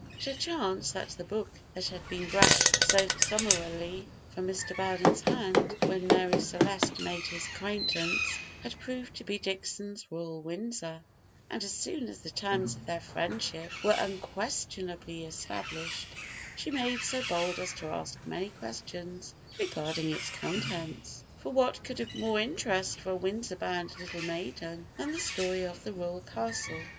It had chanced that the book that had been brushed so summarily from Mr. Belden's hand when Marie Celeste made his acquaintance had proved to be Dixon's "Royal Windsor;" and as soon as the terms of their friendship were unquestionably established, she made so bold as to ask many questions regarding its contents; for what could have more interest for a Windsor bound little maiden than the story of the Royal Castle?